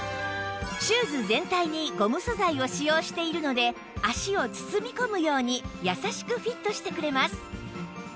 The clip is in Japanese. シューズ全体にゴム素材を使用しているので足を包み込むように優しくフィットしてくれます